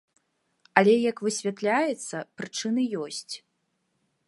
Але як высвятляецца, прычыны ёсць.